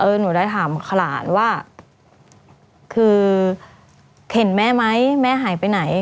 หนูได้ถามขลานว่าคือเข็นแม่ไหมแม่หายไปไหน